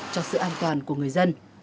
cho sự an toàn của người dân